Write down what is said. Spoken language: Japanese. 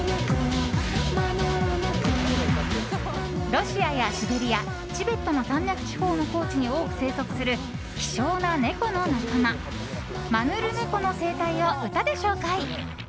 ロシアやシベリアチベットの山脈地方の高地に多く生息する希少な猫の仲間マヌルネコの生態を歌で紹介。